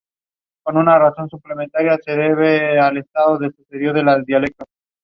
Bombs were suspended under the hull.